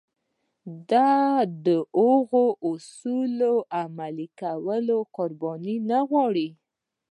د دغو اصولو عملي کول قرباني نه غواړي.